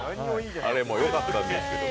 あれもよかったんですけど。